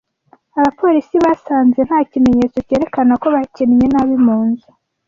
Abapolisi basanze nta kimenyetso cyerekana ko bakinnye nabi mu nzu.